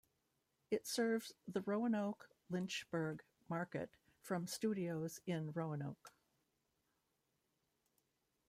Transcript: It serves the Roanoke-Lynchburg market from studios in Roanoke.